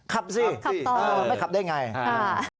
ขับสิไม่ขับได้ไงคับต่อคับสิคับต่อ